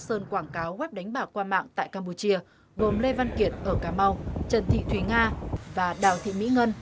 sơn quảng cáo web đánh bạc qua mạng tại campuchia gồm lê văn kiệt ở cà mau trần thị thúy nga và đào thị mỹ ngân